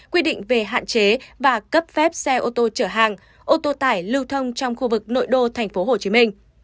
quy định về hạn chế và cấp phép xe ô tô chở hàng ô tô tải lưu thông trong khu vực nội đô tp hcm